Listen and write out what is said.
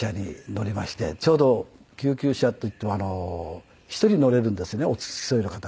ちょうど救急車っていっても１人乗れるんですねお付き添いの方が。